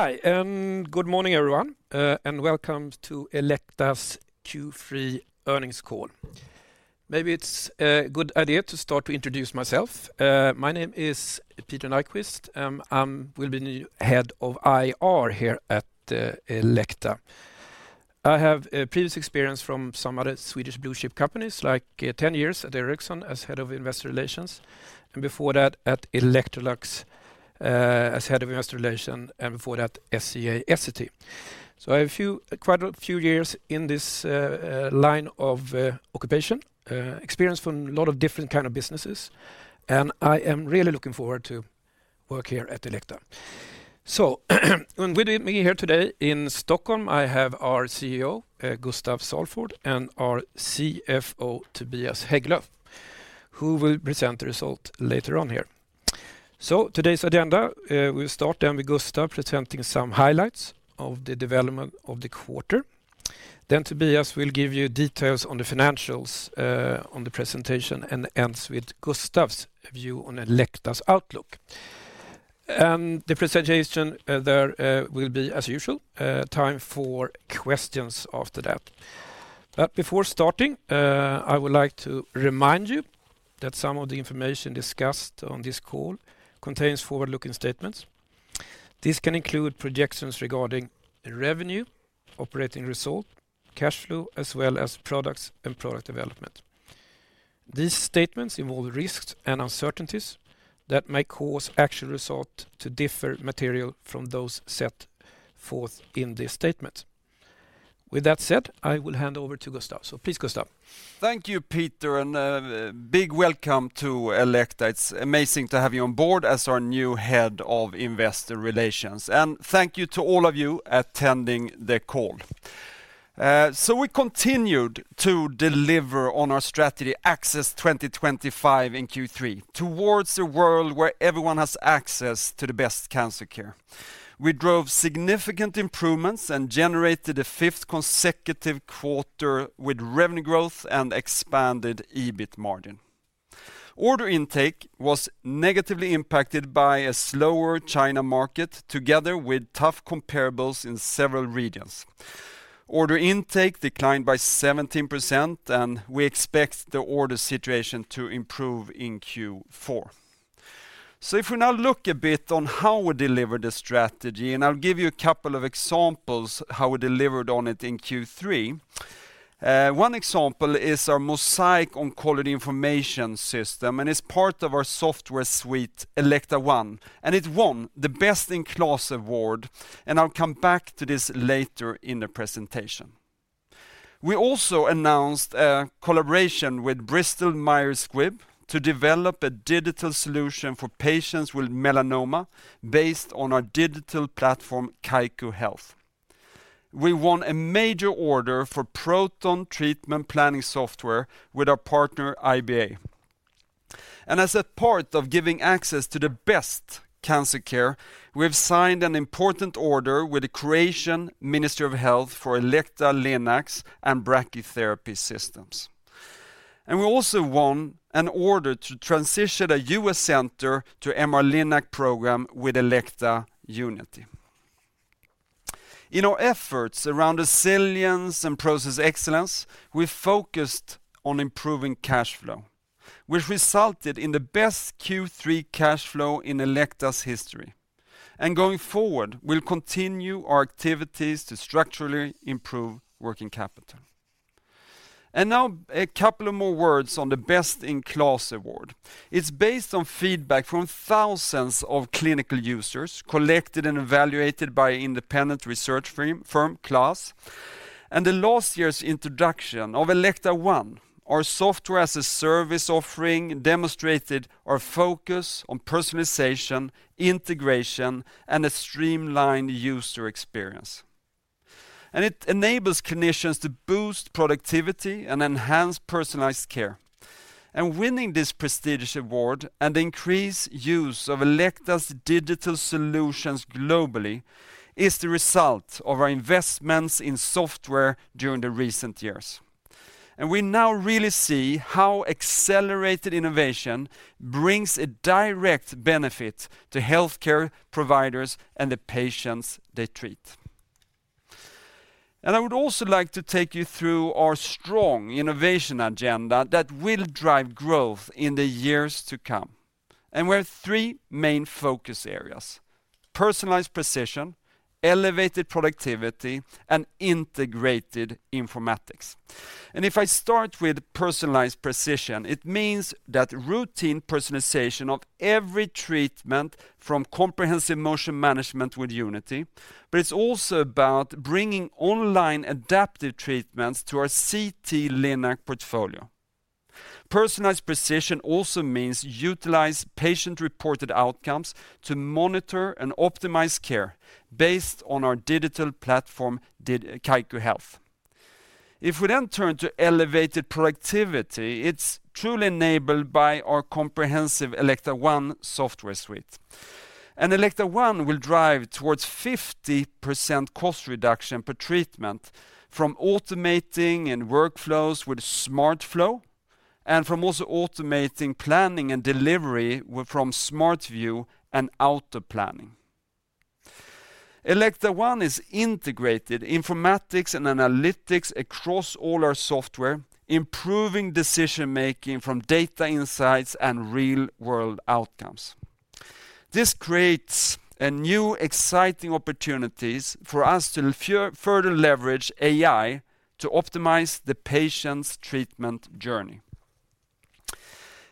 Hi, and good morning everyone, and welcome to Elekta's Q3 earnings call. Maybe it's a good idea to start with introducing myself. My name is Peter Nyquist, and I will be the head of IR here at Elekta. I have previous experience from some other Swedish blue-chip companies, like 10 years at Ericsson as head of investor relations, and before that at Electrolux as head of investor relations, and before that at SCA Essity. So I have quite a few years in this line of occupation, experience from a lot of different kinds of businesses, and I am really looking forward to working here at Elekta. So with me here today in Stockholm I have our CEO Gustaf Salford and our CFO Tobias Hägglöv, who will present the result later on here. Today's agenda: we will start then with Gustaf presenting some highlights of the development of the quarter, then Tobias will give you details on the financials on the presentation, and it ends with Gustaf's view on Elekta's outlook. The presentation there will be, as usual, time for questions after that. But before starting, I would like to remind you that some of the information discussed on this call contains forward-looking statements. This can include projections regarding revenue, operating result, cash flow, as well as products and product development. These statements involve risks and uncertainties that may cause actual result to differ materially from those set forth in this statement. With that said, I will hand over to Gustaf. Please, Gustaf. Thank you, Peter, and a big welcome to Elekta. It's amazing to have you on board as our new head of investor relations, and thank you to all of you attending the call. So we continued to deliver on our strategy ACCESS 2025 in Q3 towards a world where everyone has access to the best cancer care. We drove significant improvements and generated the fifth consecutive quarter with revenue growth and expanded EBIT margin. Order intake was negatively impacted by a slower China market, together with tough comparables in several regions. Order intake declined by 17%, and we expect the order situation to improve in Q4. So if we now look a bit on how we delivered the strategy, and I'll give you a couple of examples of how we delivered on it in Q3. One example is our MOSAIQ oncology information system, and it's part of our software suite, Elekta One, and it won the Best in KLAS award, and I'll come back to this later in the presentation. We also announced a collaboration with Bristol-Myers Squibb to develop a digital solution for patients with melanoma based on our digital platform, Kaiku Health. We won a major order for proton treatment planning software with our partner, IBA. And as a part of giving access to the best cancer care, we have signed an important order with the Croatian Ministry of Health for Elekta Linac and brachytherapy systems. And we also won an order to transition a US center to the MR-Linac program with Elekta Unity. In our efforts around resilience and process excellence, we focused on improving cash flow, which resulted in the best Q3 cash flow in Elekta's history, and going forward, we'll continue our activities to structurally improve working capital. Now a couple of more words on the Best in KLAS award. It's based on feedback from thousands of clinical users collected and evaluated by an independent research firm, KLAS, and last year's introduction of Elekta One. Our software as a service offering demonstrated our focus on personalization, integration, and a streamlined user experience. And it enables clinicians to boost productivity and enhance personalized care. And winning this prestigious award and the increased use of Elekta's digital solutions globally is the result of our investments in software during the recent years. And we now really see how accelerated innovation brings a direct benefit to healthcare providers and the patients they treat. I would also like to take you through our strong innovation agenda that will drive growth in the years to come. We have three main focus areas: personalized precision, elevated productivity, and integrated informatics. If I start with personalized precision, it means that routine personalization of every treatment from comprehensive motion management with Unity, but it's also about bringing online adaptive treatments to our CT Linac portfolio. Personalized precision also means utilizing patient-reported outcomes to monitor and optimize care based on our digital platform, Kaiku Health. If we then turn to elevated productivity, it's truly enabled by our comprehensive Elekta One software suite. Elekta One will drive towards 50% cost reduction per treatment from automating workflows with SmartFlow and from also automating planning and delivery from SmartView and Auto Planning. Elekta One is integrated informatics and analytics across all our software, improving decision-making from data insights and real-world outcomes. This creates new exciting opportunities for us to further leverage AI to optimize the patient's treatment journey.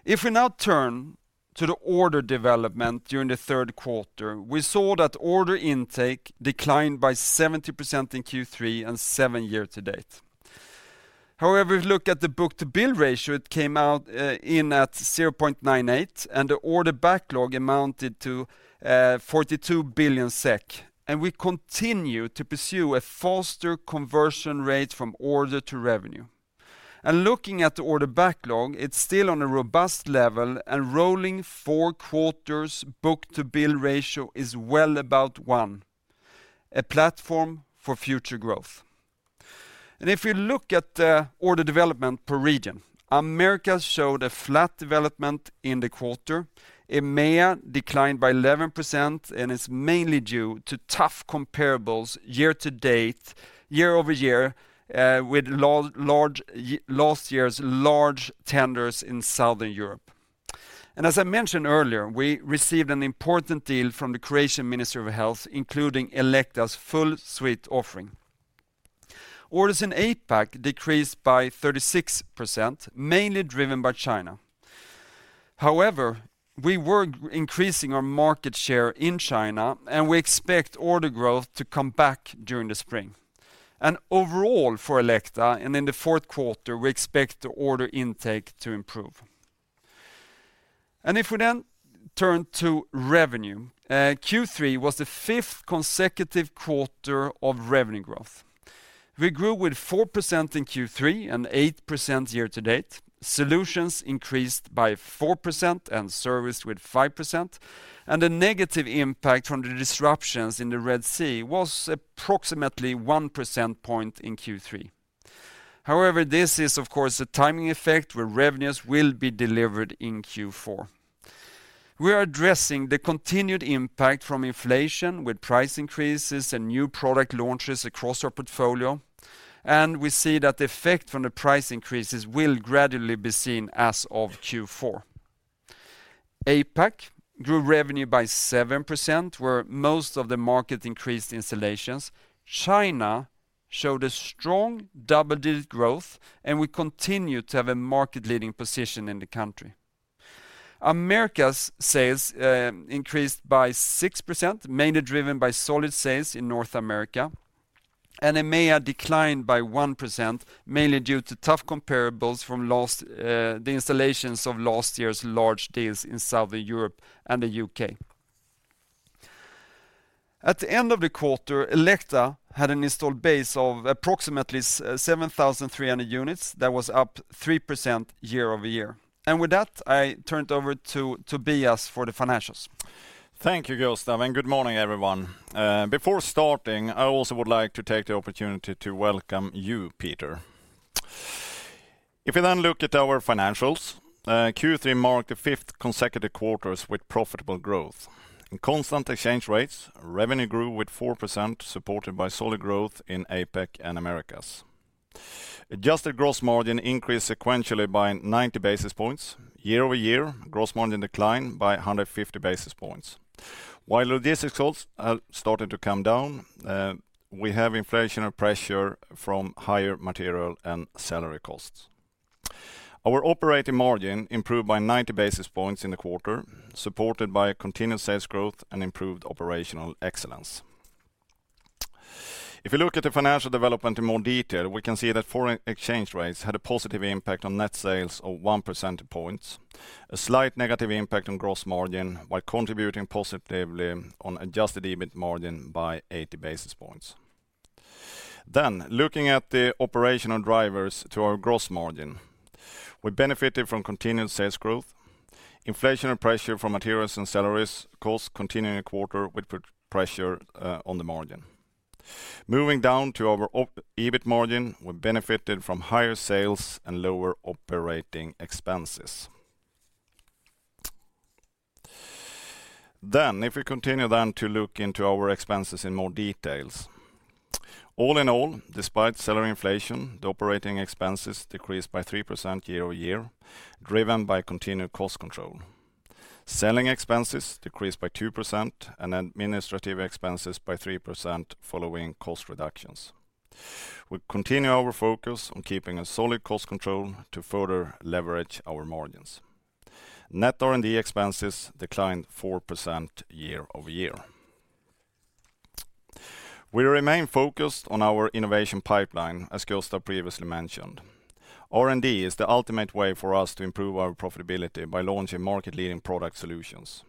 If we now turn to the order development during the third quarter, we saw that order intake declined by 70% in Q3 and year-over-year to date. However, if you look at the book-to-bill ratio, it came out at 0.98, and the order backlog amounted to 42 billion SEK, and we continue to pursue a faster conversion rate from order to revenue. And looking at the order backlog, it's still on a robust level, and rolling four quarters book-to-bill ratio is well above one, a platform for future growth. And if you look at the order development per region, America showed a flat development in the quarter. EMEA declined by 11%, and it's mainly due to tough comparables year-to-date, year-over-year, with last year's large tenders in Southern Europe. And as I mentioned earlier, we received an important deal from the Croatian Ministry of Health, including Elekta's full suite offering. Orders in APAC decreased by 36%, mainly driven by China. However, we were increasing our market share in China, and we expect order growth to come back during the spring. And overall for Elekta, and in the fourth quarter, we expect the order intake to improve. And if we then turn to revenue, Q3 was the fifth consecutive quarter of revenue growth. We grew with 4% in Q3 and 8% year-to-date. Solutions increased by 4% and service with 5%, and the negative impact from the disruptions in the Red Sea was approximately 1 percentage point in Q3. However, this is, of course, a timing effect where revenues will be delivered in Q4. We are addressing the continued impact from inflation with price increases and new product launches across our portfolio, and we see that the effect from the price increases will gradually be seen as of Q4. APAC grew revenue by 7%, where most of the market increased installations. China showed a strong double-digit growth, and we continue to have a market-leading position in the country. America's sales increased by 6%, mainly driven by solid sales in North America, and EMEA declined by 1%, mainly due to tough comparables from the installations of last year's large deals in Southern Europe and the U.K. At the end of the quarter, Elekta had an installed base of approximately 7,300 units. That was up 3% year-over-year. With that, I turned over to Tobias for the financials. Thank you, Gustaf, and good morning everyone. Before starting, I also would like to take the opportunity to welcome you, Peter. If we then look at our financials, Q3 marked the fifth consecutive quarters with profitable growth. In constant exchange rates, revenue grew with 4%, supported by solid growth in APAC and Americas. Adjusted gross margin increased sequentially by 90 basis points. Year-over-year, gross margin declined by 150 basis points. While logistics costs are starting to come down, we have inflationary pressure from higher material and salary costs. Our operating margin improved by 90 basis points in the quarter, supported by continued sales growth and improved operational excellence. If we look at the financial development in more detail, we can see that foreign exchange rates had a positive impact on net sales of 1 percentage points, a slight negative impact on gross margin while contributing positively on adjusted EBIT margin by 80 basis points. Then, looking at the operational drivers to our gross margin, we benefited from continued sales growth. Inflationary pressure from materials and salaries costs continued in the quarter, with pressure on the margin. Moving down to our EBIT margin, we benefited from higher sales and lower operating expenses. Then, if we continue then to look into our expenses in more details, all in all, despite salary inflation, the operating expenses decreased by 3% year-over-year, driven by continued cost control. Selling expenses decreased by 2% and administrative expenses by 3% following cost reductions. We continue our focus on keeping a solid cost control to further leverage our margins. Net R&D expenses declined 4% year-over-year. We remain focused on our innovation pipeline, as Gustaf previously mentioned. R&D is the ultimate way for us to improve our profitability by launching market-leading product solutions.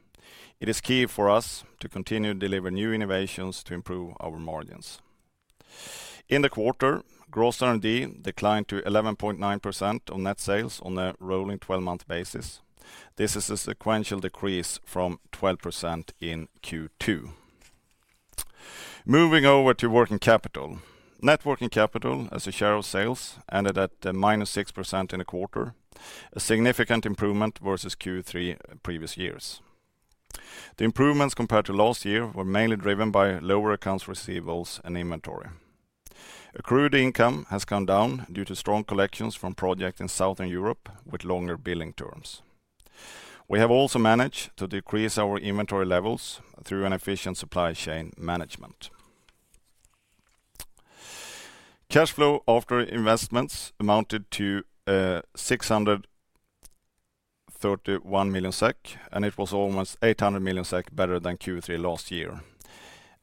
It is key for us to continue to deliver new innovations to improve our margins. In the quarter, gross R&D declined to 11.9% of net sales on a rolling 12-month basis. This is a sequential decrease from 12% in Q2. Moving over to working capital. Net working capital, as a share of sales, ended at minus 6% in the quarter, a significant improvement versus Q3 previous years. The improvements compared to last year were mainly driven by lower accounts receivables and inventory. Accrued income has come down due to strong collections from projects in Southern Europe with longer billing terms. We have also managed to decrease our inventory levels through an efficient supply chain management. Cash flow after investments amounted to 631 million SEK, and it was almost 800 million SEK better than Q3 last year,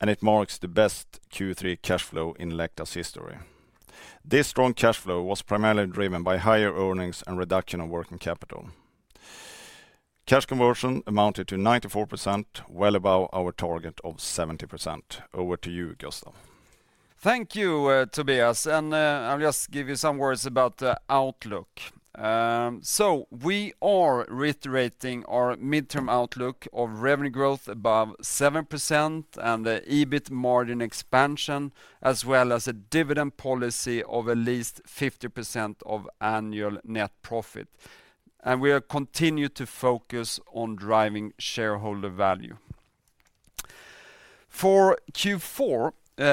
and it marks the best Q3 cash flow in Elekta's history. This strong cash flow was primarily driven by higher earnings and reduction of working capital. Cash conversion amounted to 94%, well above our target of 70%. Over to you, Gustaf. Thank you, Tobias. I'll just give you some words about the outlook. We are reiterating our midterm outlook of revenue growth above 7% and EBIT margin expansion, as well as a dividend policy of at least 50% of annual net profit. We continue to focus on driving shareholder value. For Q4,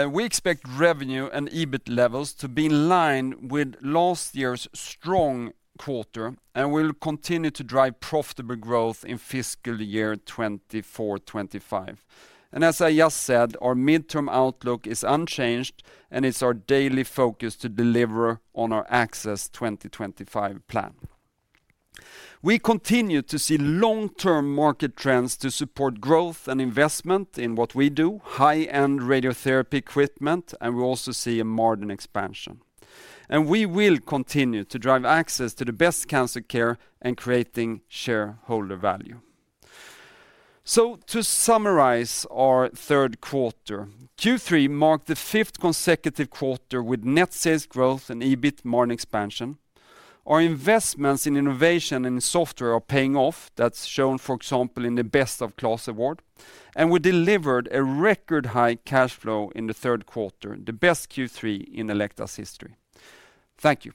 we expect revenue and EBIT levels to be in line with last year's strong quarter, and we'll continue to drive profitable growth in fiscal year 2024/2025. As I just said, our midterm outlook is unchanged, and it's our daily focus to deliver on our ACCESS 2025 plan. We continue to see long-term market trends to support growth and investment in what we do, high-end radiotherapy equipment, and we also see a margin expansion. We will continue to drive access to the best cancer care and creating shareholder value. To summarize our third quarter, Q3 marked the fifth consecutive quarter with net sales growth and EBIT margin expansion. Our investments in innovation and in software are paying off. That's shown, for example, in the Best in KLAS award, and we delivered a record high cash flow in the third quarter, the best Q3 in Elekta's history. Thank you.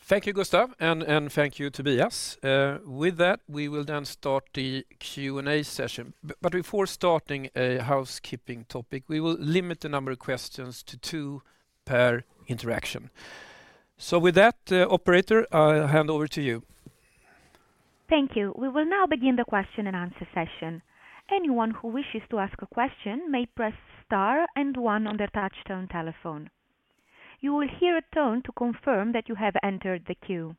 Thank you, Gustaf, and thank you, Tobias. With that, we will then start the Q&A session. Before starting a housekeeping topic, we will limit the number of questions to two per interaction. With that, operator, I hand over to you. Thank you. We will now begin the question-and-answer session. Anyone who wishes to ask a question may press star and one on their touch-tone telephone. You will hear a tone to confirm that you have entered the queue.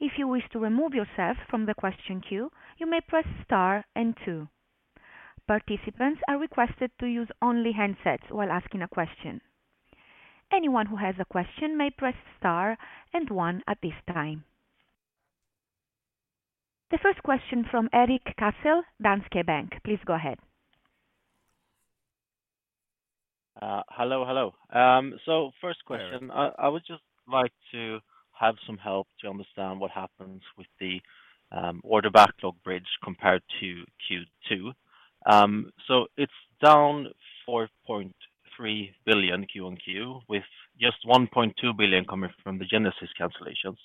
If you wish to remove yourself from the question queue, you may press star and two. Participants are requested to use only headsets while asking a question. Anyone who has a question may press star and one at this time. The first question from Erik Cassel, Danske Bank. Please go ahead. Hello, hello. So first question, I would just like to have some help to understand what happens with the order backlog bridge compared to Q2. So it's down 4.3 billion Q-on-Q, with just 1.2 billion coming from the Genesis cancellations.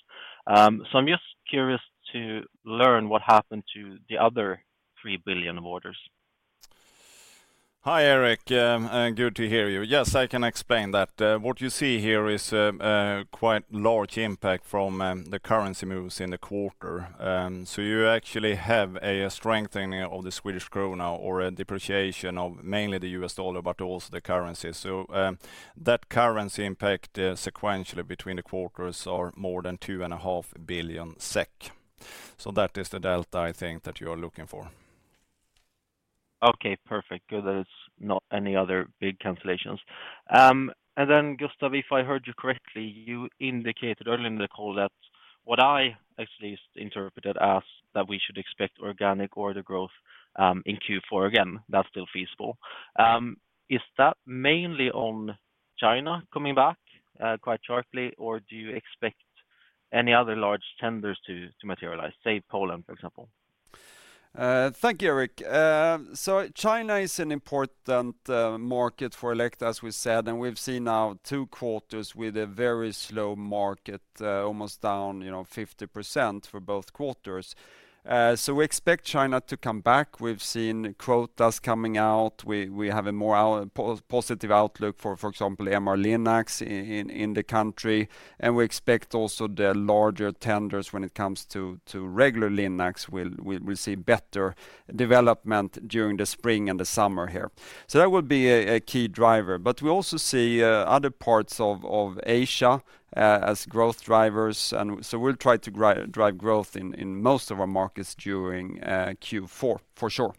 So I'm just curious to learn what happened to the other 3 billion of orders. Hi, Erik. Good to hear you. Yes, I can explain that. What you see here is quite large impact from the currency moves in the quarter. So you actually have a strengthening of the Swedish krona or a depreciation of mainly the US dollar, but also the currency. So that currency impact sequentially between the quarters are more than 2.5 billion SEK. So that is the delta, I think, that you are looking for. Okay, perfect. Good that it's not any other big cancellations. And then, Gustaf, if I heard you correctly, you indicated earlier in the call that what I at least interpreted as that we should expect organic order growth in Q4 again, that's still feasible. Is that mainly on China coming back quite sharply, or do you expect any other large tenders to materialize, say Poland, for example? Thank you, Erik. So China is an important market for Elekta, as we said, and we've seen now two quarters with a very slow market, almost down 50% for both quarters. So we expect China to come back. We've seen quotas coming out. We have a more positive outlook for, for example, MR-Linac in the country, and we expect also the larger tenders when it comes to regular Linac will see better development during the spring and the summer here. So that will be a key driver. But we also see other parts of Asia as growth drivers, and so we'll try to drive growth in most of our markets during Q4, for sure.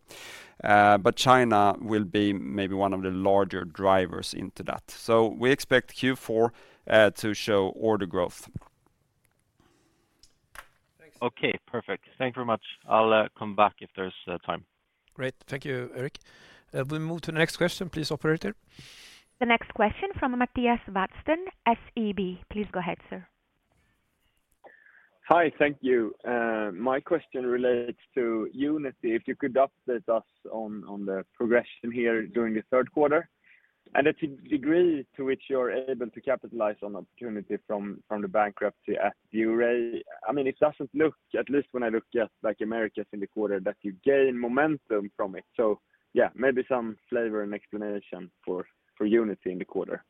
But China will be maybe one of the larger drivers into that. So we expect Q4 to show order growth. Okay, perfect. Thanks very much. I'll come back if there's time. Great. Thank you, Erik. We move to the next question. Please, operator. The next question from Mattias Vadsten, SEB. Please go ahead, sir. Hi, thank you. My question relates to Unity. If you could update us on the progression here during the third quarter and the degree to which you're able to capitalize on opportunity from the bankruptcy at ViewRay. I mean, it doesn't look, at least when I look at Americas in the quarter, that you gain momentum from it. So yeah, maybe some flavor and explanation for Unity in the quarter.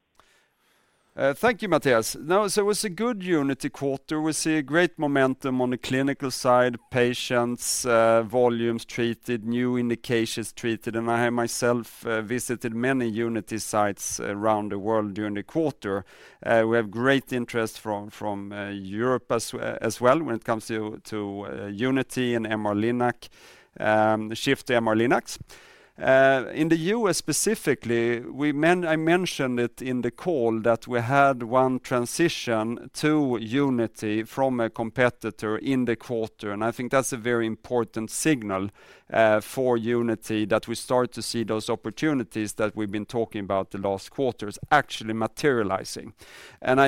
Thank you, Mattias. No, so it was a good Unity quarter. We see a great momentum on the clinical side, patients, volumes treated, new indications treated. And I have myself visited many Unity sites around the world during the quarter. We have great interest from Europe as well when it comes to Unity and MR-Linac, shift to MR-Linac. In the U.S. specifically, I mentioned it in the call that we had 1 transition to Unity from a competitor in the quarter. And I think that's a very important signal for Unity that we start to see those opportunities that we've been talking about the last quarters actually materializing. And I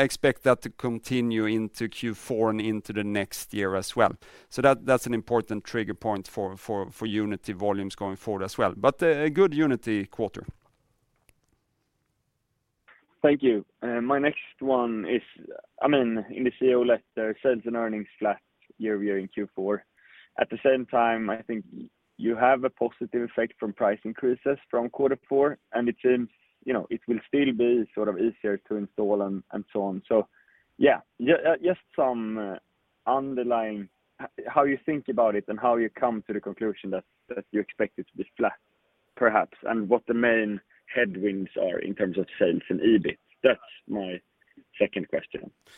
expect that to continue into Q4 and into the next year as well. So that's an important trigger point for Unity volumes going forward as well. But a good Unity quarter. Thank you. My next one is, I mean, in the CEO letter, sales and earnings flat year-over-year in Q4. At the same time, I think you have a positive effect from price increases from quarter four, and it seems it will still be sort of easier to install and so on. So yeah, just some underlying how you think about it and how you come to the conclusion that you expect it to be flat, perhaps, and what the main headwinds are in terms of sales and EBIT. That's my second question. Yeah,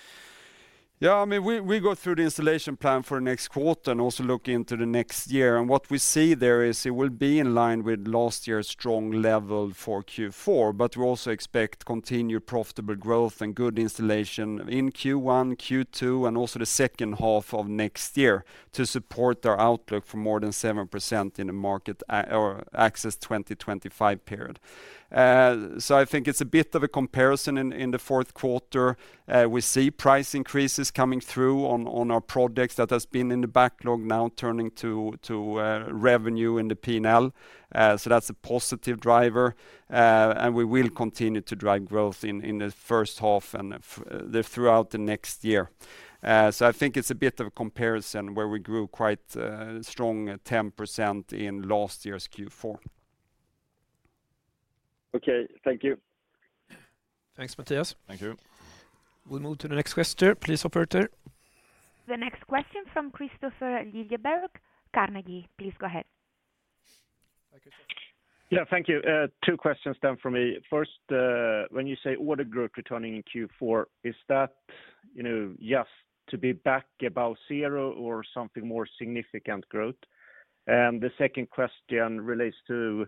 I mean, we go through the installation plan for the next quarter and also look into the next year. What we see there is it will be in line with last year's strong level for Q4, but we also expect continued profitable growth and good installation in Q1, Q2, and also the second half of next year to support our outlook for more than 7% in the ACCESS 2025 period. I think it's a bit of a comparison in the fourth quarter. We see price increases coming through on our products that has been in the backlog now turning to revenue in the P&L. That's a positive driver, and we will continue to drive growth in the first half and throughout the next year. I think it's a bit of a comparison where we grew quite strong 10% in last year's Q4. Okay, thank you. Thanks, Mattias. Thank you. We move to the next question. Please, operator. The next question from Kristofer Liljeberg. Carnegie, please go ahead. Hi, Kristofer. Yeah, thank you. Two questions then from me. First, when you say order growth returning in Q4, is that yes to be back above zero or something more significant growth? And the second question relates to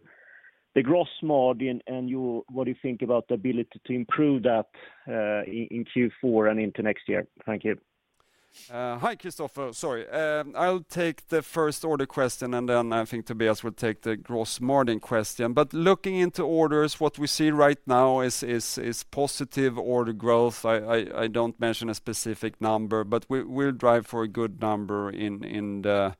the gross margin and what do you think about the ability to improve that in Q4 and into next year? Thank you. Hi, Kristofer. Sorry. I'll take the first order question, and then I think Tobias will take the gross margin question. But looking into orders, what we see right now is positive order growth. I don't mention a specific number, but we'll drive for a good number in the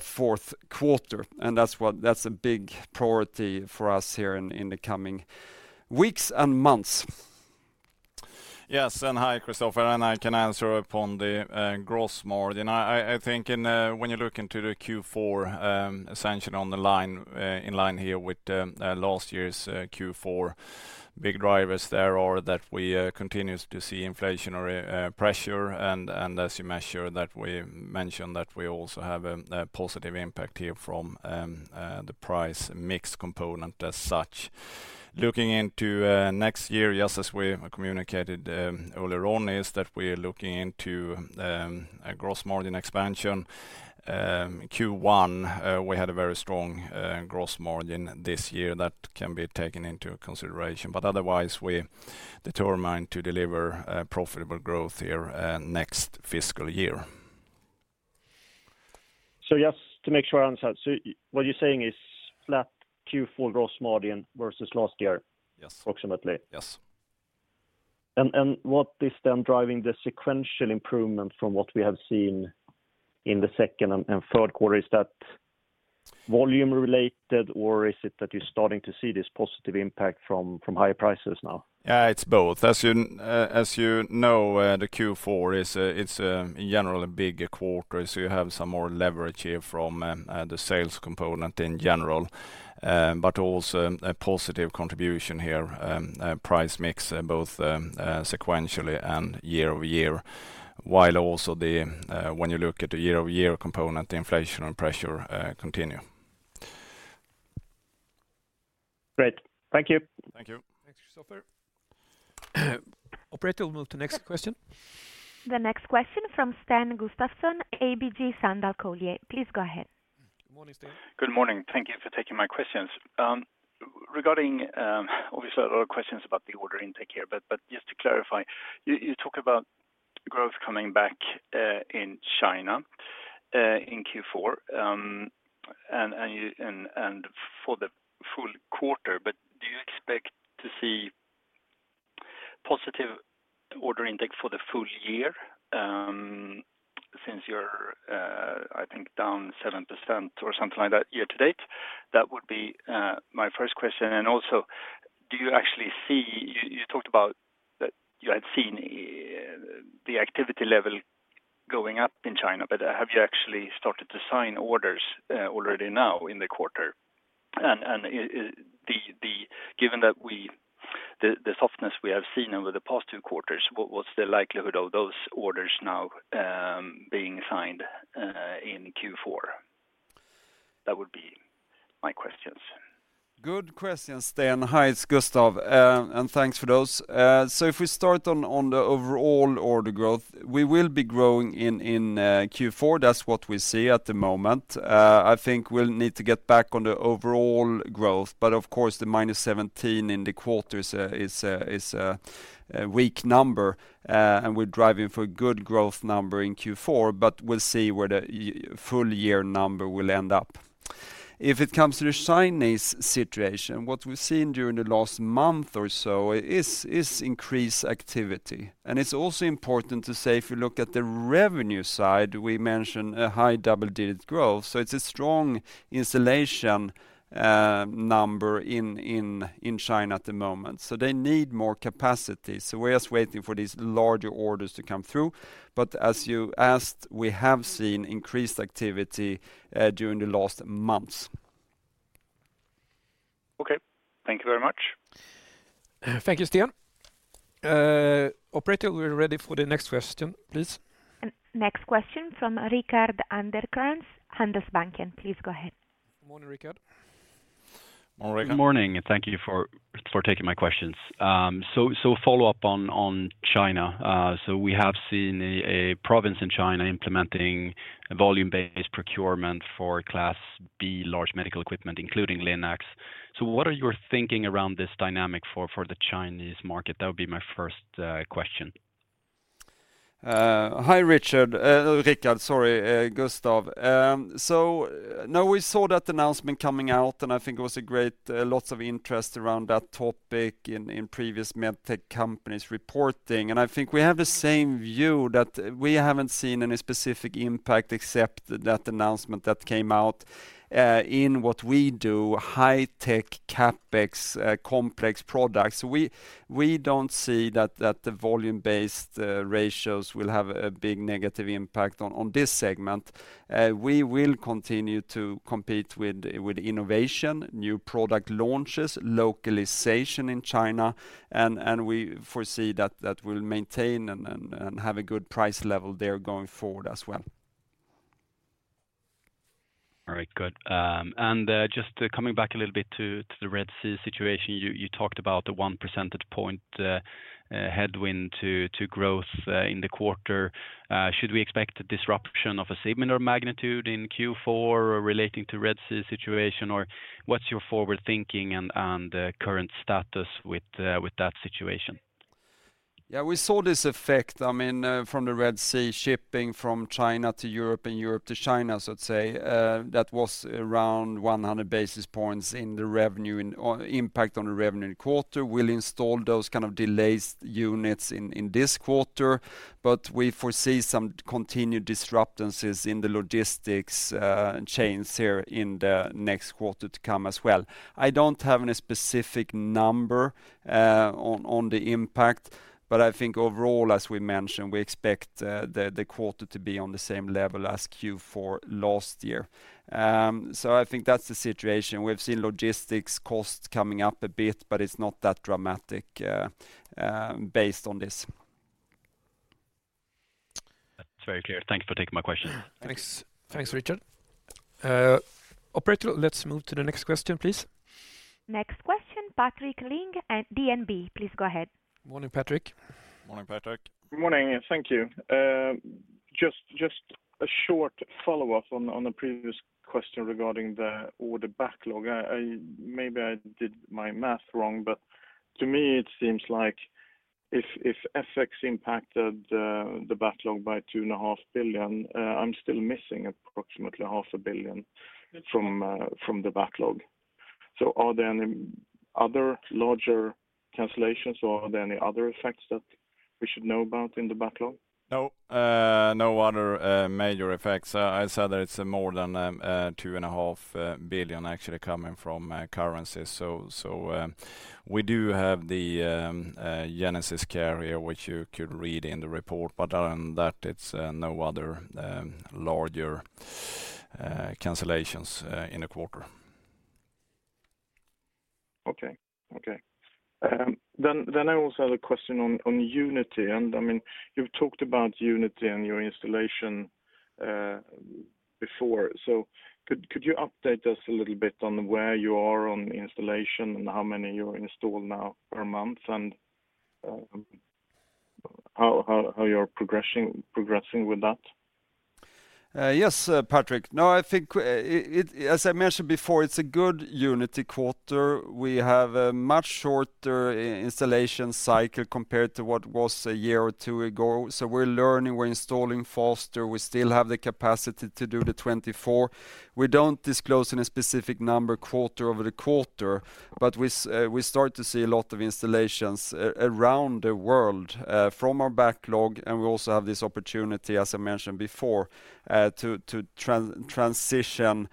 fourth quarter. And that's a big priority for us here in the coming weeks and months. Yes, and hi, Kristofer. I can answer upon the gross margin. I think when you look into the Q4, essentially in line here with last year's Q4, big drivers there are that we continue to see inflationary pressure. As you mentioned, that we also have a positive impact here from the price mix component as such. Looking into next year, yes, as we communicated earlier on, is that we are looking into gross margin expansion. Q1, we had a very strong gross margin this year that can be taken into consideration. But otherwise, we determine to deliver profitable growth here next fiscal year. So yes, to make sure I understand, so what you're saying is flat Q4 gross margin versus last year, approximately? Yes. What is then driving the sequential improvement from what we have seen in the second and third quarter? Is that volume-related, or is it that you're starting to see this positive impact from higher prices now? Yeah, it's both. As you know, the Q4 is, in general, a big quarter. So you have some more leverage here from the sales component in general, but also a positive contribution here, price mix both sequentially and year-over-year, while also when you look at the year-over-year component, the inflationary pressure continue. Great. Thank you. Thank you. Thanks, Kristofer. Operator, we move to the next question. The next question from Sten Gustafsson, ABG Sundal Collier. Please go ahead. Good morning, Sten. Good morning. Thank you for taking my questions. Regarding, obviously, a lot of questions about the order intake here, but just to clarify, you talk about growth coming back in China in Q4 and for the full quarter. But do you expect to see positive order intake for the full year since you're, I think, down 7% or something like that year to date? That would be my first question. And also, do you actually see you talked about that you had seen the activity level going up in China, but have you actually started to sign orders already now in the quarter? And given that the softness we have seen over the past two quarters, what's the likelihood of those orders now being signed in Q4? That would be my questions. Good question, Stan. Hi, it's Gustaf. And thanks for those. So if we start on the overall order growth, we will be growing in Q4. That's what we see at the moment. I think we'll need to get back on the overall growth. But of course, the -17% in the quarter is a weak number, and we're driving for a good growth number in Q4, but we'll see where the full-year number will end up. If it comes to the Chinese situation, what we've seen during the last month or so is increased activity. And it's also important to say if you look at the revenue side, we mentioned a high double-digit growth. So it's a strong installation number in China at the moment. So we're just waiting for these larger orders to come through. As you asked, we have seen increased activity during the last months. Okay. Thank you very much. Thank you, Sten. Operator, we're ready for the next question, please. Next question from Rickard Anderkrans, Handelsbanken. Please go ahead. Good morning, Rickard. Morning, Rickard. Good morning. Thank you for taking my questions. So follow-up on China. So we have seen a province in China implementing volume-based procurement for Class B large medical equipment, including Linac. So what are your thinking around this dynamic for the Chinese market? That would be my first question. Hi, Rickard. Rickard, sorry, Gustaf. So now we saw that announcement coming out, and I think it was a great lots of interest around that topic in previous medtech companies reporting. I think we have the same view that we haven't seen any specific impact except that announcement that came out in what we do, high-tech, CapEx, complex products. So we don't see that the volume-based ratios will have a big negative impact on this segment. We will continue to compete with innovation, new product launches, localization in China, and we foresee that we'll maintain and have a good price level there going forward as well. All right. Good. Just coming back a little bit to the Red Sea situation, you talked about the 1 percentage point headwind to growth in the quarter. Should we expect a disruption of a similar magnitude in Q4 relating to Red Sea situation, or what's your forward thinking and current status with that situation? Yeah, we saw this effect, I mean, from the Red Sea shipping from China to Europe and Europe to China, so to say. That was around 100 basis points in the revenue impact on the revenue in the quarter. We'll install those kind of delayed units in this quarter, but we foresee some continued disruptions in the logistics chains here in the next quarter to come as well. I don't have any specific number on the impact, but I think overall, as we mentioned, we expect the quarter to be on the same level as Q4 last year. So I think that's the situation. We've seen logistics costs coming up a bit, but it's not that dramatic based on this. That's very clear. Thanks for taking my question. Thanks. Thanks, Rickard. Operator, let's move to the next question, please. Next question, Patrick Ling, DNB. Please go ahead. Good morning, Patrick. Morning, Patrick. Good morning. Thank you. Just a short follow-up on the previous question regarding the order backlog. Maybe I did my math wrong, but to me, it seems like if FX impacted the backlog by 2.5 billion, I'm still missing approximately 0.5 billion from the backlog. So are there any other larger cancellations, or are there any other effects that we should know about in the backlog? No, no other major effects. I said that it's more than 2.5 billion actually coming from currencies. So we do have the GenesisCare, which you could read in the report, but other than that, it's no other larger cancellations in the quarter. Okay. Okay. Then I also have a question on Unity. And I mean, you've talked about Unity and your installation before. So could you update us a little bit on where you are on installation and how many you're installed now per month and how you're progressing with that? Yes, Patrick. No, I think, as I mentioned before, it's a good Unity quarter. We have a much shorter installation cycle compared to what was a year or two ago. So we're learning. We're installing faster. We still have the capacity to do the 24. We don't disclose any specific number quarter over the quarter, but we start to see a lot of installations around the world from our backlog. We also have this opportunity, as I mentioned before, to transition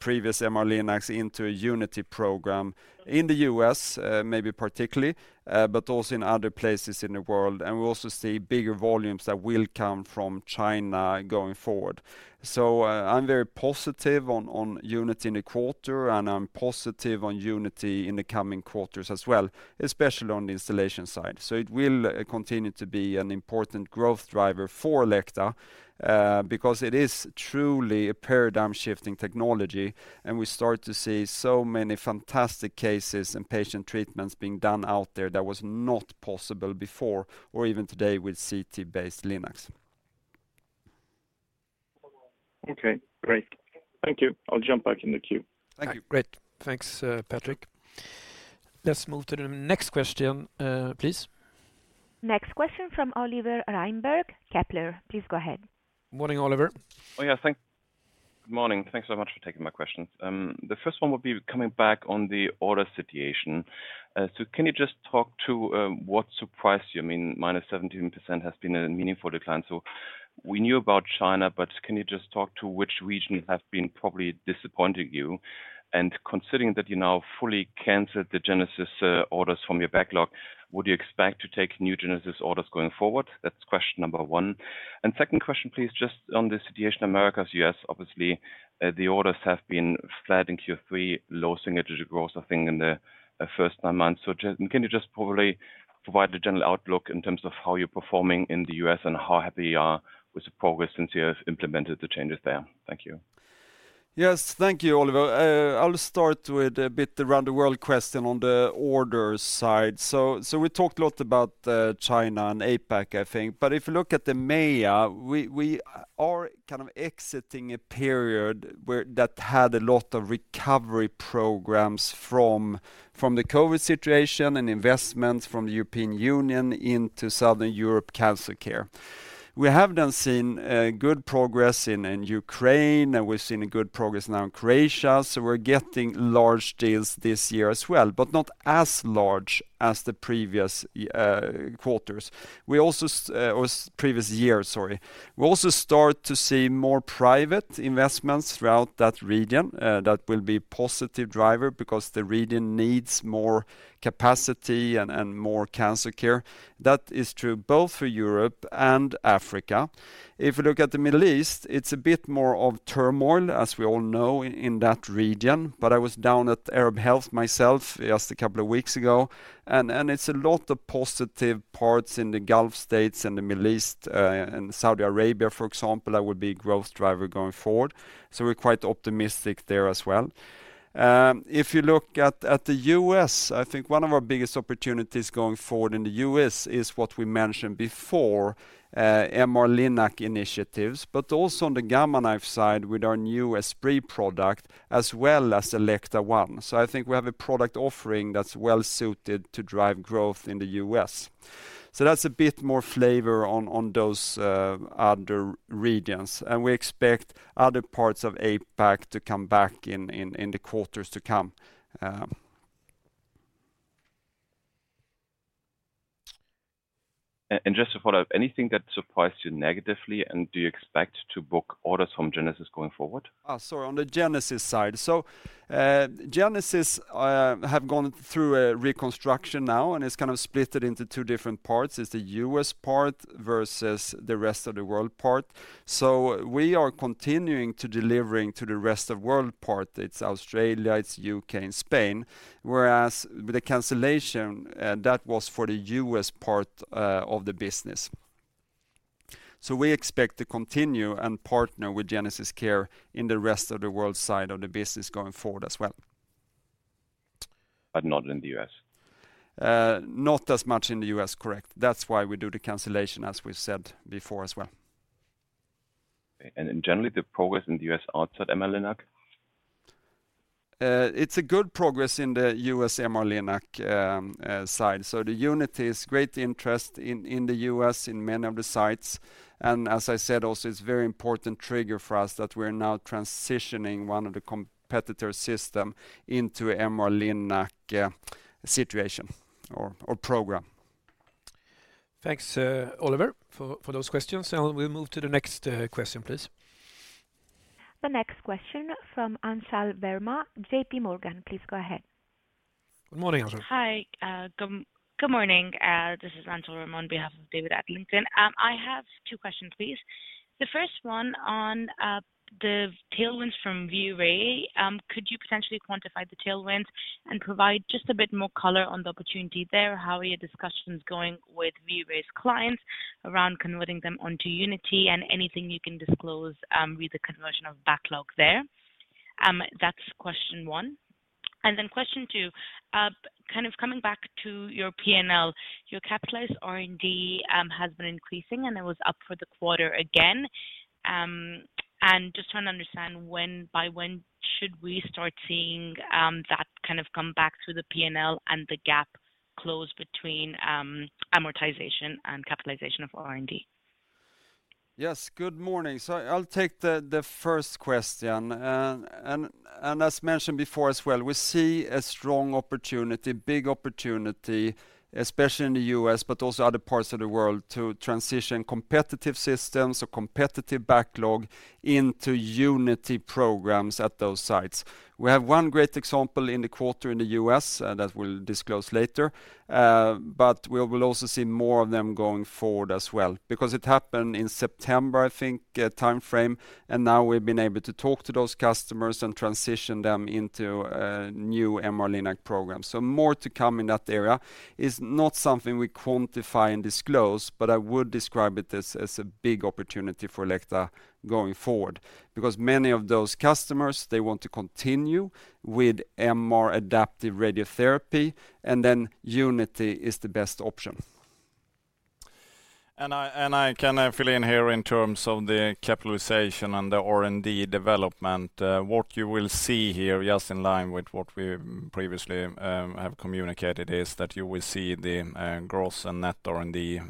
previous MR-Linac into a Unity program in the U.S., maybe particularly, but also in other places in the world. We also see bigger volumes that will come from China going forward. So I'm very positive on Unity in the quarter, and I'm positive on Unity in the coming quarters as well, especially on the installation side. So it will continue to be an important growth driver for Elekta because it is truly a paradigm-shifting technology. And we start to see so many fantastic cases and patient treatments being done out there that was not possible before or even today with CT-based Linac. Okay. Great. Thank you. I'll jump back in the queue. Thank you. Great. Thanks, Patrick. Let's move to the next question, please. Next question from Oliver Reinberg, Kepler. Please go ahead. Good morning, Oliver. Oh, yeah. Thanks. Good morning. Thanks so much for taking my question. The first one would be coming back on the order situation. So can you just talk to what surprised you? I mean, -17% has been a meaningful decline. So we knew about China, but can you just talk to which regions have been probably disappointing you? And considering that you now fully canceled the Genesis orders from your backlog, would you expect to take new Genesis orders going forward? That's question number one. And second question, please, just on the situation in America/U.S. Obviously, the orders have been flat in Q3, low single-digit growth, I think, in the first nine months. So can you just probably provide a general outlook in terms of how you're performing in the U.S. and how happy you are with the progress since you have implemented the changes there? Thank you. Yes. Thank you, Oliver. I'll start with a bit around the world question on the order side. So we talked a lot about China and APAC, I think. But if you look at the EMEA, we are kind of exiting a period that had a lot of recovery programs from the COVID situation and investments from the European Union into Southern Europe cancer care. We have then seen good progress in Ukraine, and we've seen good progress now in Croatia. So we're getting large deals this year as well, but not as large as the previous quarters or previous year, sorry. We also start to see more private investments throughout that region. That will be a positive driver because the region needs more capacity and more cancer care. That is true both for Europe and Africa. If you look at the Middle East, it's a bit more of turmoil, as we all know, in that region. But I was down at Arab Health myself just a couple of weeks ago. And it's a lot of positive parts in the Gulf States and the Middle East. In Saudi Arabia, for example, that would be a growth driver going forward. So we're quite optimistic there as well. If you look at the U.S., I think one of our biggest opportunities going forward in the U.S. is what we mentioned before, MR-Linac initiatives, but also on the Gamma Knife side with our new Esprit product as well as Elekta One. So I think we have a product offering that's well-suited to drive growth in the U.S. So that's a bit more flavor on those other regions. We expect other parts of APAC to come back in the quarters to come. Just to follow up, anything that surprised you negatively, and do you expect to book orders from Genesis going forward? Sorry, on the GenesisCare side. So GenesisCare have gone through a reconstruction now, and it's kind of split into two different parts. It's the U.S. part versus the rest of the world part. So we are continuing to deliver to the rest of the world part. It's Australia, it's the U.K., and Spain, whereas with the cancellation, that was for the U.S. part of the business. So we expect to continue and partner with GenesisCare in the rest of the world side of the business going forward as well. But not in the U.S.? Not as much in the U.S. Correct. That's why we do the cancellation, as we said before, as well. Generally, the progress in the U.S. outside MR-Linac? It's a good progress in the U.S. MR-Linac side. So the Unity is great interest in the U.S., in many of the sites. And as I said also, it's a very important trigger for us that we're now transitioning one of the competitor systems into a MR-Linac situation or program. Thanks, Oliver, for those questions. And we'll move to the next question, please. The next question from Anchal Verma, JPMorgan. Please go ahead. Good morning, Anchal. Hi. Good morning. This is Anchal Verma on behalf of David Adlington. I have two questions, please. The first one on the tailwinds from ViewRay. Could you potentially quantify the tailwinds and provide just a bit more color on the opportunity there? How are your discussions going with ViewRay's clients around converting them onto Unity and anything you can disclose with the conversion of backlog there? That's question one. And then question two, kind of coming back to your P&L, your capitalized R&D has been increasing, and it was up for the quarter again. And just trying to understand by when should we start seeing that kind of come back through the P&L and the gap close between amortization and capitalization of R&D? Yes. Good morning. So I'll take the first question. As mentioned before as well, we see a strong opportunity, big opportunity, especially in the U.S., but also other parts of the world, to transition competitive systems or competitive backlog into Unity programs at those sites. We have one great example in the quarter in the U.S. that we'll disclose later, but we will also see more of them going forward as well because it happened in September, I think, timeframe. Now we've been able to talk to those customers and transition them into new MR-Linac programs. More to come in that area. It's not something we quantify and disclose, but I would describe it as a big opportunity for Elekta going forward because many of those customers, they want to continue with MR adaptive radiotherapy, and then Unity is the best option. I can fill in here in terms of the capitalization and the R&D development. What you will see here, just in line with what we previously have communicated, is that you will see the gross and net R&D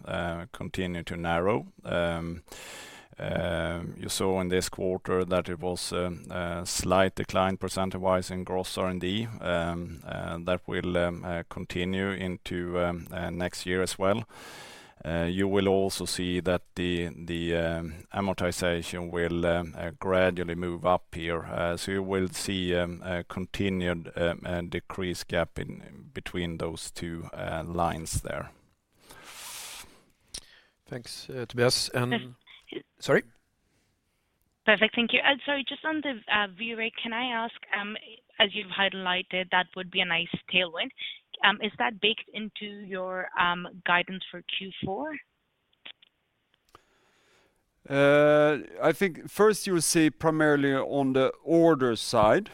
continue to narrow. You saw in this quarter that it was a slight decline percent-wise in gross R&D that will continue into next year as well. You will also see that the amortization will gradually move up here. So you will see a continued decrease gap between those two lines there. Thanks, Tobias. And sorry? Perfect. Thank you. And sorry, just on the ViewRay, can I ask, as you've highlighted, that would be a nice tailwind. Is that baked into your guidance for Q4? I think first you'll see primarily on the order side,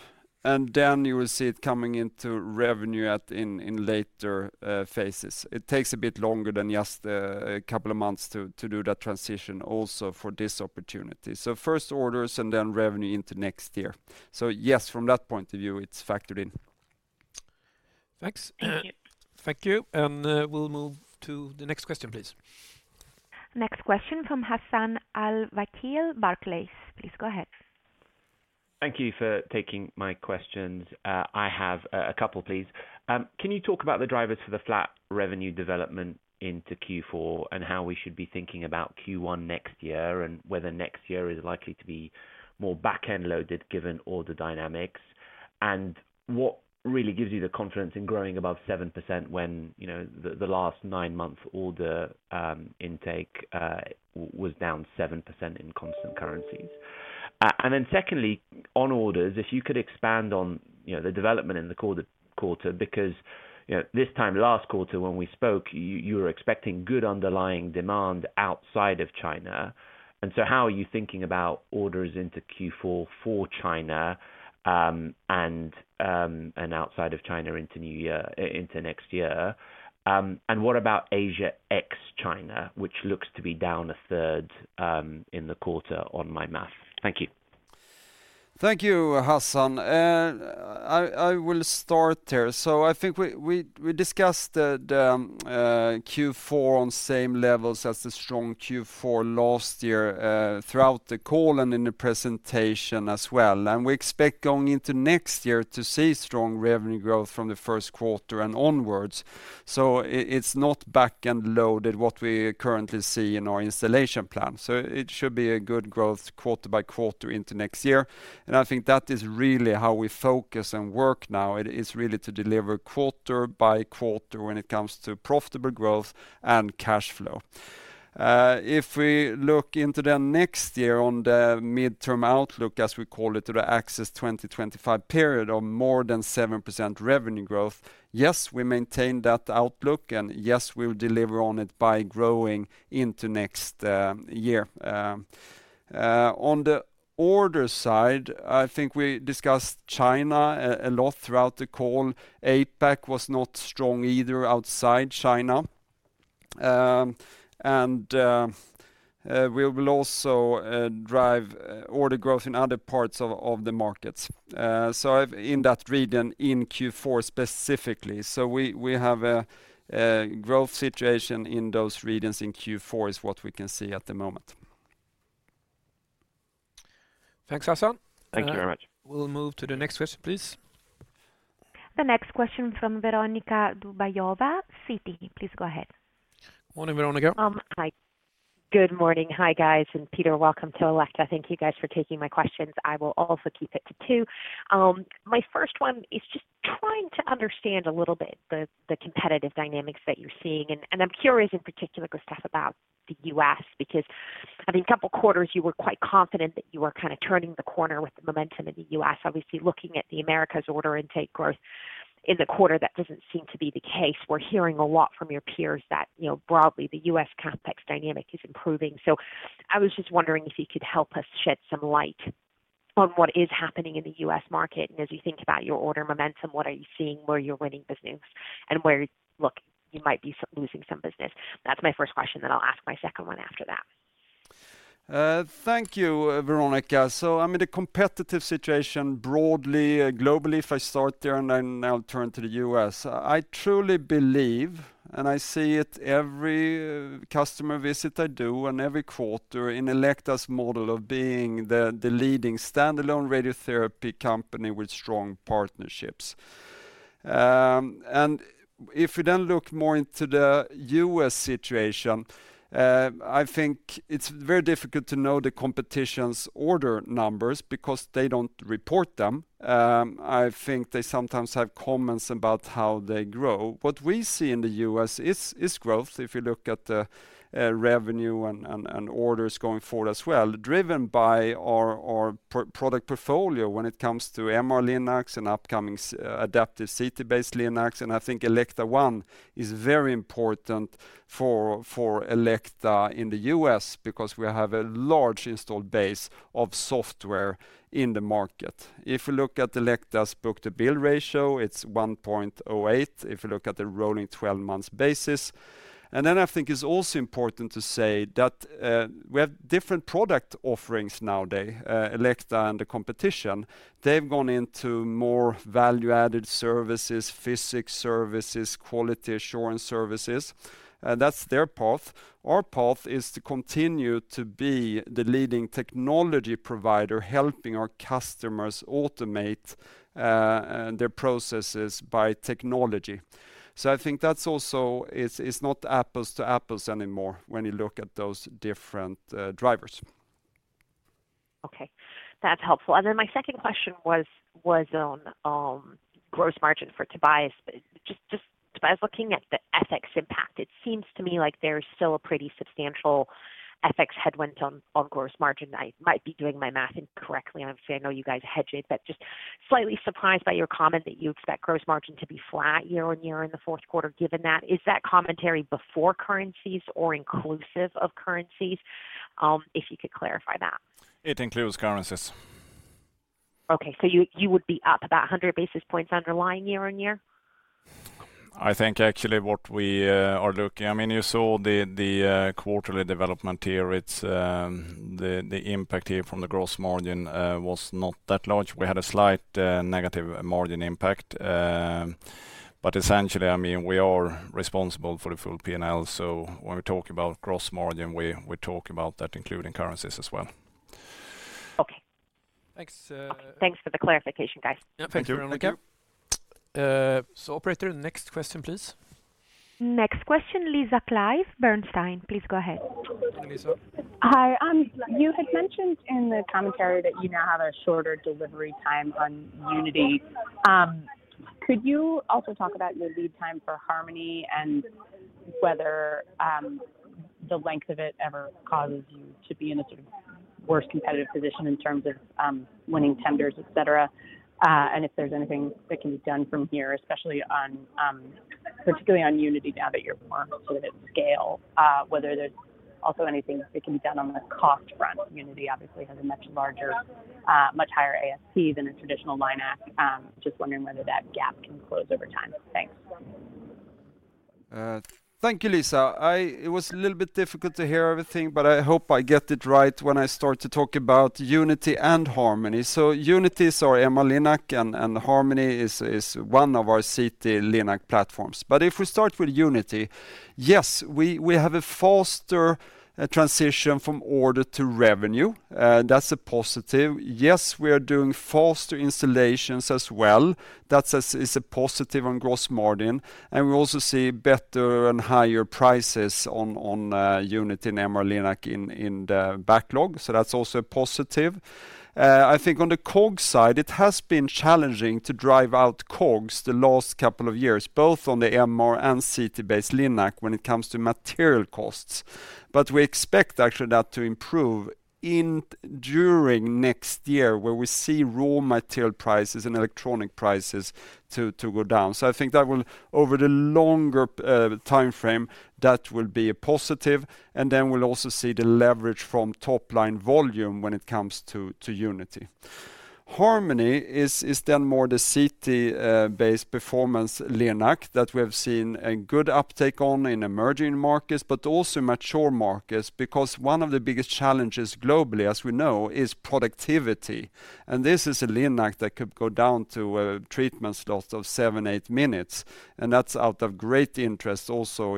and then you will see it coming into revenue in later phases. It takes a bit longer than just a couple of months to do that transition also for this opportunity. So first orders and then revenue into next year. So yes, from that point of view, it's factored in. Thanks. Thank you. And we'll move to the next question, please. Next question from Hassan Al-Wakeel Barclays. Please go ahead. Thank you for taking my questions. I have a couple, please. Can you talk about the drivers for the flat revenue development into Q4 and how we should be thinking about Q1 next year and whether next year is likely to be more backend-loaded given order dynamics and what really gives you the confidence in growing above 7% when the last nine-month order intake was down 7% in constant currencies? And then secondly, on orders, if you could expand on the development in the quarter because this time, last quarter, when we spoke, you were expecting good underlying demand outside of China. And so how are you thinking about orders into Q4 for China and outside of China into next year? And what about Asia ex-China, which looks to be down a third in the quarter on my math? Thank you. Thank you, Hassan. I will start there. So I think we discussed Q4 on the same levels as the strong Q4 last year throughout the call and in the presentation as well. And we expect going into next year to see strong revenue growth from the first quarter and onwards. So it's not backend-loaded what we currently see in our installation plan. So it should be a good growth quarter by quarter into next year. And I think that is really how we focus and work now. It is really to deliver quarter by quarter when it comes to profitable growth and cash flow. If we look into then next year on the midterm outlook, as we call it, to the ACCESS 2025 period of more than 7% revenue growth, yes, we maintain that outlook, and yes, we'll deliver on it by growing into next year. On the order side, I think we discussed China a lot throughout the call. APAC was not strong either outside China. We will also drive order growth in other parts of the markets in that region in Q4 specifically. We have a growth situation in those regions in Q4 is what we can see at the moment. Thanks, Hassan. Thank you very much. We'll move to the next question, please. The next question from Veronika Dubajova, Citi. Please go ahead. Good morning, Veronika. Hi. Good morning. Hi, guys. And Peter, welcome to Elekta. Thank you guys for taking my questions. I will also keep it to two. My first one is just trying to understand a little bit the competitive dynamics that you're seeing. And I'm curious, in particular, Gustaf, about the U.S. because I think a couple of quarters, you were quite confident that you were kind of turning the corner with the momentum in the U.S., obviously looking at the America's order intake growth. In the quarter, that doesn't seem to be the case. We're hearing a lot from your peers that broadly, the U.S. context dynamic is improving. So I was just wondering if you could help us shed some light on what is happening in the U.S. market. As you think about your order momentum, what are you seeing, where you're winning business, and where, look, you might be losing some business? That's my first question, then I'll ask my second one after that. Thank you, Veronika. So I mean, the competitive situation broadly, globally, if I start there and then I'll turn to the U.S., I truly believe and I see it every customer visit I do and every quarter in Elekta's model of being the leading standalone radiotherapy company with strong partnerships. And if we then look more into the U.S. situation, I think it's very difficult to know the competition's order numbers because they don't report them. I think they sometimes have comments about how they grow. What we see in the U.S. is growth if you look at the revenue and orders going forward as well, driven by our product portfolio when it comes to MR-Linac and upcoming adaptive CT-based Linac. And I think Elekta One is very important for Elekta in the U.S. because we have a large installed base of software in the market. If we look at Elekta's book-to-bill ratio, it's 1.08 if you look at the rolling 12-month basis. And then I think it's also important to say that we have different product offerings nowadays, Elekta and the competition. They've gone into more value-added services, physics services, quality assurance services. That's their path. Our path is to continue to be the leading technology provider helping our customers automate their processes by technology. So I think that's also it's not apples to apples anymore when you look at those different drivers. Okay. That's helpful. And then my second question was on gross margin for Tobias. Just Tobias looking at the FX impact, it seems to me like there's still a pretty substantial FX headwind on gross margin. I might be doing my math incorrectly. Obviously, I know you guys hedge it, but just slightly surprised by your comment that you expect gross margin to be flat year-on-year in the fourth quarter given that. Is that commentary before currencies or inclusive of currencies? If you could clarify that. It includes currencies. Okay. So you would be up about 100 basis points underlying year-on-year? I think actually what we are looking I mean, you saw the quarterly development here. The impact here from the gross margin was not that large. We had a slight negative margin impact. But essentially, I mean, we are responsible for the full P&L. So when we talk about gross margin, we talk about that including currencies as well. Okay. Thanks. Thanks for the clarification, guys. Yeah. Thank you, Veronika. Operator, next question, please. Next question, Lisa Clive Bernstein. Please go ahead. Hi, Lisa. Hi. You had mentioned in the commentary that you now have a shorter delivery time on Unity. Could you also talk about your lead time for Harmony and whether the length of it ever causes you to be in a sort of worse competitive position in terms of winning tenders, etc.? And if there's anything that can be done from here, especially on Unity now that you're more sort of at scale, whether there's also anything that can be done on the cost front. Unity obviously has a much higher ASP than a traditional Linac. Just wondering whether that gap can close over time. Thanks. Thank you, Lisa. It was a little bit difficult to hear everything, but I hope I get it right when I start to talk about Unity and Harmony. So Unity is our MR-Linac, and Harmony is one of our CT-Linac platforms. But if we start with Unity, yes, we have a faster transition from order to revenue. That's a positive. Yes, we are doing faster installations as well. That is a positive on gross margin. And we also see better and higher prices on Unity and MR-Linac in the backlog. So that's also a positive. I think on the COGS side, it has been challenging to drive out COGS the last couple of years, both on the MR and CT-based Linac when it comes to material costs. But we expect actually that to improve during next year where we see raw material prices and electronics prices to go down. So I think that will over the longer timeframe, that will be a positive. And then we'll also see the leverage from top-line volume when it comes to Unity. Harmony is then more the CT-based performance Linac that we have seen a good uptake on in emerging markets but also mature markets because one of the biggest challenges globally, as we know, is productivity. And this is a Linac that could go down to treatments lots of 7, 8 minutes. And that's out of great interest also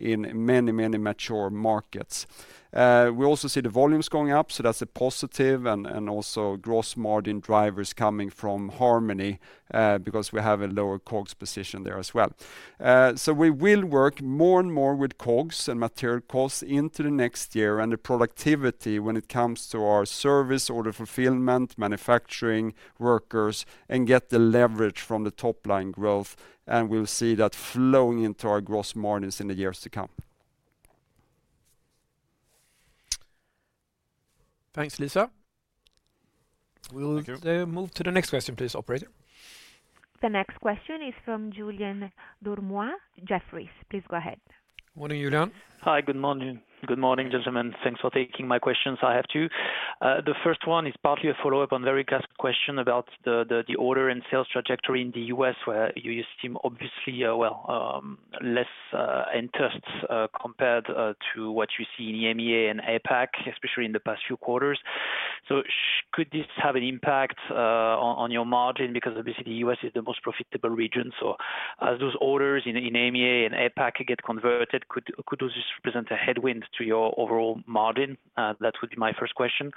in many, many mature markets. We also see the volumes going up. So that's a positive. And also gross margin drivers coming from Harmony because we have a lower COGS position there as well. We will work more and more with COGS and material costs into the next year and the productivity when it comes to our service order fulfillment, manufacturing, workers, and get the leverage from the top-line growth. We'll see that flowing into our gross margins in the years to come. Thanks, Lisa. We'll move to the next question, please, operator. The next question is from Julien Dormois, Jefferies. Please go ahead. Morning, Julien. Hi. Good morning. Good morning, gentlemen. Thanks for taking my questions. I have two. The first one is partly a follow-up on Veronika's question about the order and sales trajectory in the U.S. where you seem obviously, well, less enthused compared to what you see in EMEA and APAC, especially in the past few quarters. So could this have an impact on your margin because obviously, the U.S. is the most profitable region? So as those orders in EMEA and APAC get converted, could those just represent a headwind to your overall margin? That would be my first question.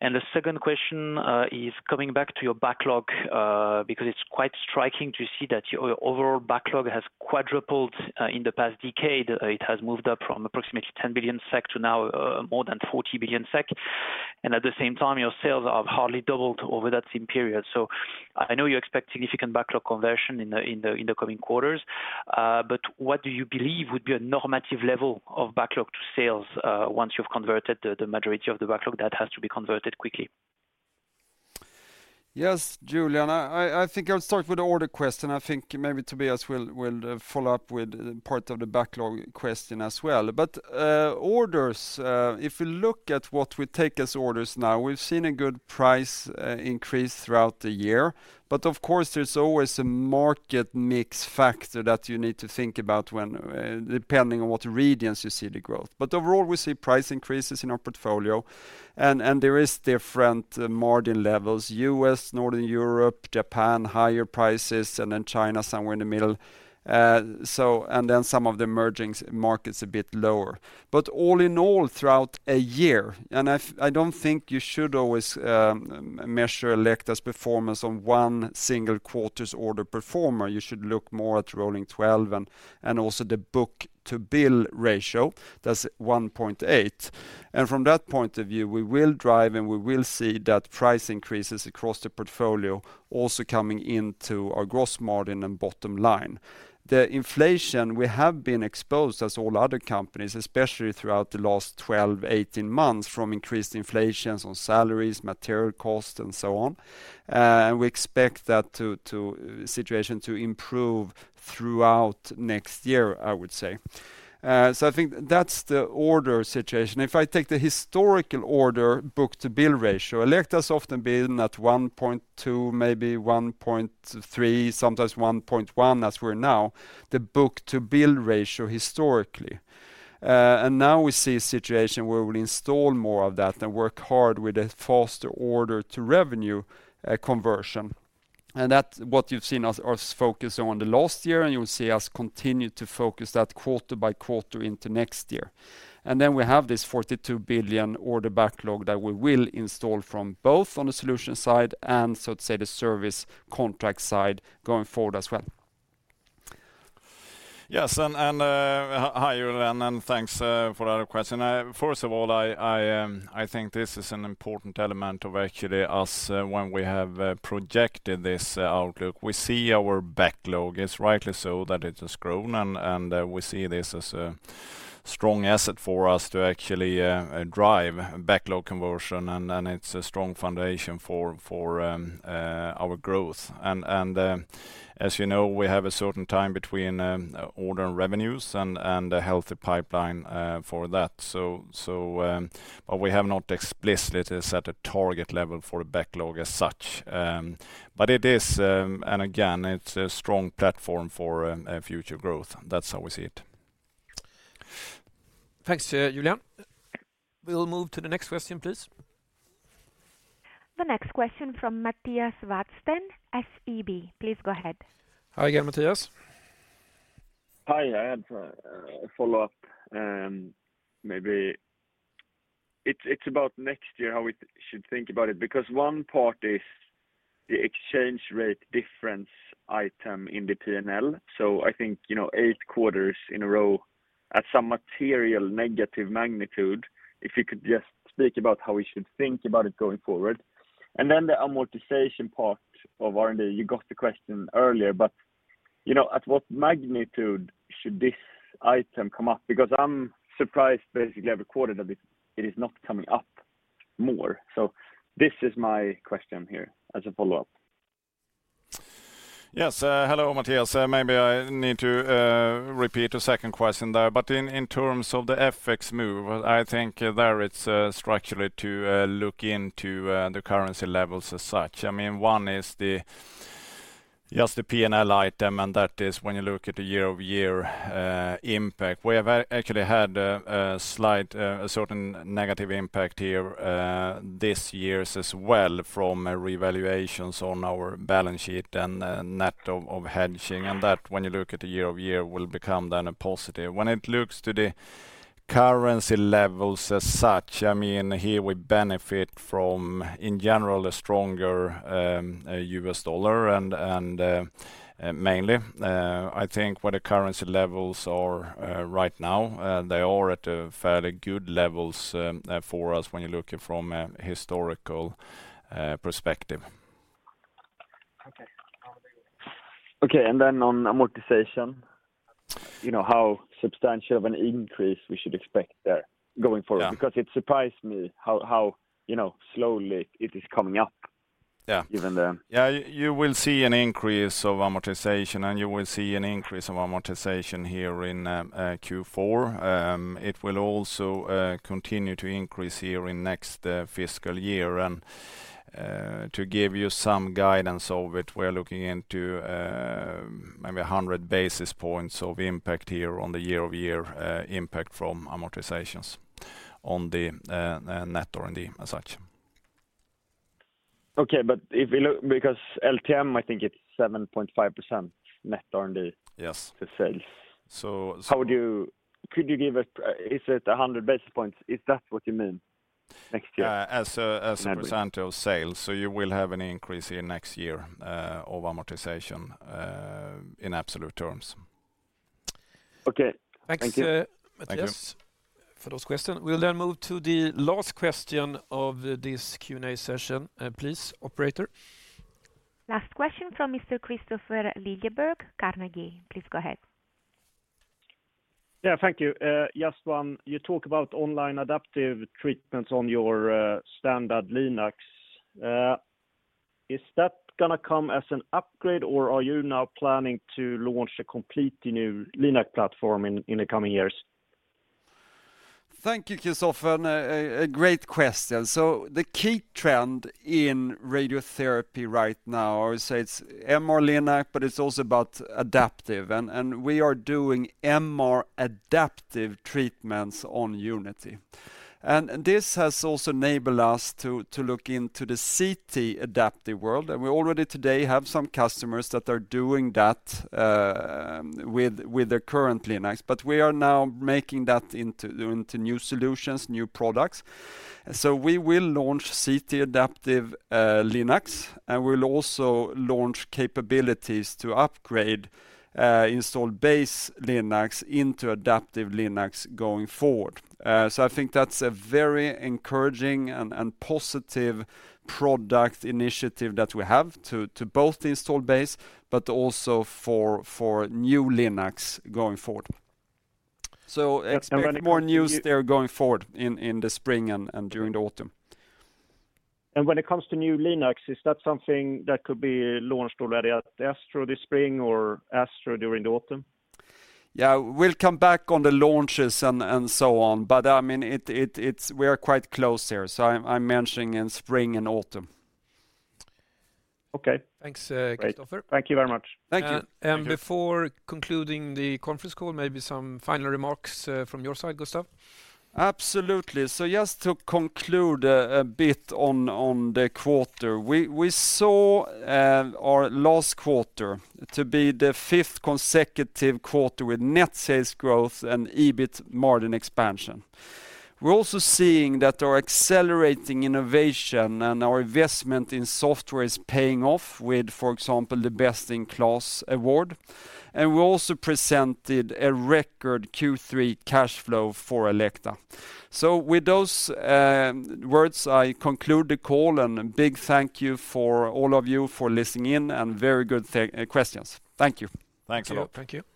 The second question is coming back to your backlog because it's quite striking to see that your overall backlog has quadrupled in the past decade. It has moved up from approximately 10 billion SEK to now more than 40 billion SEK. At the same time, your sales have hardly doubled over that same period. I know you expect significant backlog conversion in the coming quarters. What do you believe would be a normative level of backlog to sales once you've converted the majority of the backlog that has to be converted quickly? Yes, Julien. I think I'll start with the order question. I think maybe Tobias will follow up with part of the backlog question as well. But orders, if we look at what we take as orders now, we've seen a good price increase throughout the year. But of course, there's always a market mix factor that you need to think about depending on what regions you see the growth. But overall, we see price increases in our portfolio. And there is different margin levels: U.S., Northern Europe, Japan, higher prices, and then China somewhere in the middle, and then some of the emerging markets a bit lower. But all in all, throughout a year and I don't think you should always measure Elekta's performance on one single quarter's order performer. You should look more at rolling 12 and also the book-to-bill ratio. That's 1.8. From that point of view, we will drive and we will see that price increases across the portfolio also coming into our gross margin and bottom line. The inflation, we have been exposed, as all other companies, especially throughout the last 12, 18 months, from increased inflations on salaries, material costs, and so on. And we expect that situation to improve throughout next year, I would say. So I think that's the order situation. If I take our historical book-to-bill ratio, Elekta has often been at 1.2, maybe 1.3, sometimes 1.1 as we're now, the book-to-bill ratio historically. And now we see a situation where we'll install more of that and work hard with a faster order-to-revenue conversion. And that's what you've seen us focus on the last year. And you'll see us continue to focus that quarter by quarter into next year. Then we have this 42 billion order backlog that we will install from both on the solution side and, so to say, the service contract side going forward as well. Yes. Hi, Julien. Thanks for that question. First of all, I think this is an important element of actually us when we have projected this outlook. We see our backlog. It's rightly so that it has grown. We see this as a strong asset for us to actually drive backlog conversion. It's a strong foundation for our growth. As you know, we have a certain time between order and revenues and a healthy pipeline for that. We have not explicitly set a target level for the backlog as such. It is. Again, it's a strong platform for future growth. That's how we see it. Thanks, Julien. We'll move to the next question, please. The next question from Mattias Vadsten, SEB. Please go ahead. Hi, again, Mattias. Hi. I had a follow-up. It's about next year how we should think about it because one part is the exchange rate difference item in the P&L. So I think eight quarters in a row at some material negative magnitude, if you could just speak about how we should think about it going forward. And then the amortization part of R&D, you got the question earlier. But at what magnitude should this item come up? Because I'm surprised basically every quarter that it is not coming up more. So this is my question here as a follow-up. Yes. Hello, Mattias. Maybe I need to repeat a second question there. But in terms of the FX move, I think there it's structurally to look into the currency levels as such. I mean, one is just the P&L item. And that is when you look at the year-over-year impact. We have actually had a certain negative impact here this year as well from revaluations on our balance sheet and net of hedging. And that, when you look at the year-over-year, will become then a positive. When it looks to the currency levels as such, I mean, here we benefit from, in general, a stronger US dollar mainly. I think where the currency levels are right now, they are at fairly good levels for us when you look at it from a historical perspective. Okay. How we will? Okay. And then on amortization, how substantial of an increase we should expect there going forward, because it surprised me how slowly it is coming up given the... Yeah. You will see an increase of amortization. You will see an increase of amortization here in Q4. It will also continue to increase here in next fiscal year. To give you some guidance of it, we are looking into maybe 100 basis points of impact here on the year-over-year impact from amortizations on the net R&D as such. Okay. But because LTM, I think it's 7.5% net R&D to sales. Could you give us is it 100 basis points? Is that what you mean next year? As a percentage of sales. So you will have an increase here next year of amortization in absolute terms. Okay. Thank you, Mattias, for those questions. We'll then move to the last question of this Q&A session, please, operator. Last question from Mr. Kristofer Liljeberg, Carnegie. Please go ahead. Yeah. Thank you. Yeah, so when you talk about online adaptive treatments on your standard Linacs. Is that going to come as an upgrade or are you now planning to launch a completely new Linac platform in the coming years? Thank you, Kristofer. A great question. So the key trend in radiotherapy right now, I would say it's MR-Linac, but it's also about adaptive. And we are doing MR adaptive treatments on Unity. And this has also enabled us to look into the CT adaptive world. And we already today have some customers that are doing that with their current Linacs. But we are now making that into new solutions, new products. So we will launch CT adaptive Linacs. And we'll also launch capabilities to upgrade installed base Linacs into adaptive Linacs going forward. So I think that's a very encouraging and positive product initiative that we have to both the installed base but also for new Linacs going forward. So expect more news there going forward in the spring and during the autumn. When it comes to new Linacs, is that something that could be launched already at ESTRO this spring or ESTRO during the autumn? Yeah. We'll come back on the launches and so on. But I mean, we are quite close here. So I'm mentioning in spring and autumn. Okay. Thanks, Kristofer. Thank you very much. Thank you. Before concluding the conference call, maybe some final remarks from your side, Gustaf? Absolutely. So just to conclude a bit on the quarter, we saw our last quarter to be the fifth consecutive quarter with net sales growth and EBIT margin expansion. We're also seeing that our accelerating innovation and our investment in software is paying off with, for example, the Best in Class award. And we also presented a record Q3 cash flow for Elekta. So with those words, I conclude the call. And big thank you for all of you for listening in and very good questions. Thank you. Thanks a lot. Thank you.